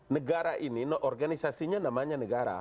negara ini organisasinya namanya negara